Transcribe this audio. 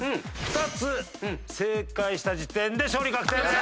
２つ正解した時点で勝利確定です。